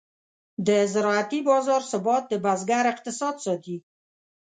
د زراعتي بازار ثبات د بزګر اقتصاد ساتي.